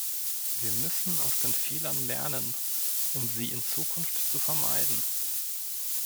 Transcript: Wir müssen aus den Fehlern lernen, um sie in Zukunft zu vermeiden.